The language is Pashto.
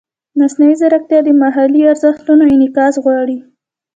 مصنوعي ځیرکتیا د محلي ارزښتونو انعکاس غواړي.